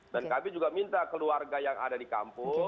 dan kami juga minta keluarga yang ada di kampung